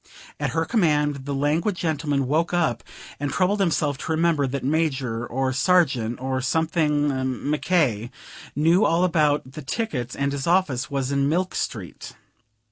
At her command the languid gentleman woke up, and troubled himself to remember that Major or Sergeant or something Mc K. knew all about the tickets, and his office was in Milk Street.